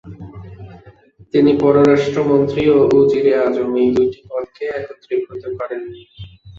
তিনি পররাষ্ট্র মন্ত্রী ও উজিরে আজম, এই দুইটি পদকে একত্রীভূত করেন।